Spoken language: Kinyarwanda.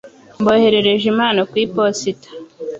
Mboherereje impano kwi posita.